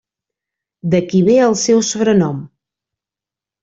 D'aquí ve el seu sobrenom.